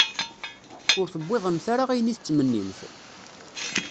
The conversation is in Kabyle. Ur tewwiḍemt ara ayen i tettmennimt?